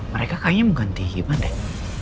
mereka kayaknya mau ganti hikiman deh